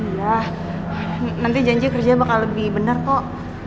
ya nanti janji kerja bakal lebih benar kok